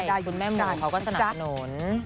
ใช่คุณแม่หมูเขาก็สนับสนุน